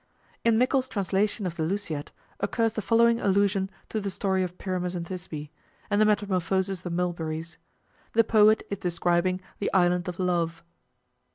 In Mickle's translation of the "Lusiad" occurs the following allusion to the story of Pyramus and Thisbe, and the metamorphosis of the mulberries. The poet is describing the Island of Love